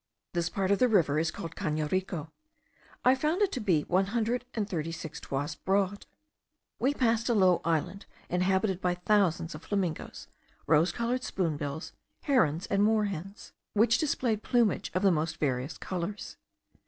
This part of the river is called Cano Rico. I found it to be one hundred and thirty six toises broad. We passed a low island, inhabited by thousands of flamingos, rose coloured spoonbills, herons, and moorhens, which displayed plumage of the most various colours.